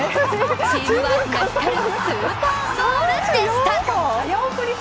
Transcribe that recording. チームワークが光るスーパーゴールでした。